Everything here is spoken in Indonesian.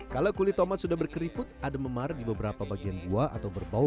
kalau kulit tomat sudah berkeriput ada memar di beberapa bagian buah atau berbau